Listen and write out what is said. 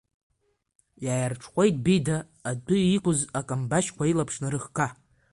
Иааирҽхәеит Бида, адәы иқәз акамбашькәа илаԥш нарыхга.